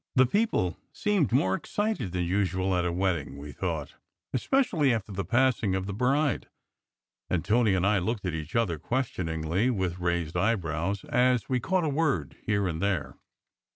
The people seemed more excited than usual at a wedding, we thought, especially after the passing of the bride; and Tony and I looked at each other questioningly with raised eyebrows as we caught a word here and there.